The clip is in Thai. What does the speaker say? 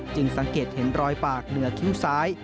สังเกตเห็นรอยปากเหนือคิ้วซ้าย